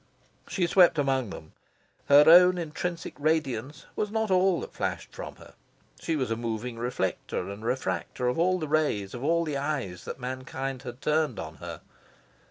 She swept among them. Her own intrinsic radiance was not all that flashed from her. She was a moving reflector and refractor of all the rays of all the eyes that mankind had turned on her.